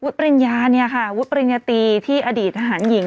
ปริญญาเนี่ยค่ะวุฒิปริญญาตีที่อดีตทหารหญิง